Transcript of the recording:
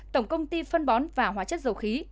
tổng công ty phân bón và hóa chất dầu khí